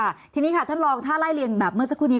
ค่ะทีนี้ค่ะท่านรองถ้าไล่เรียงแบบเมื่อสักครู่นี้